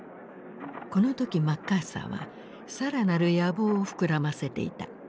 この時マッカーサーはさらなる野望を膨らませていた。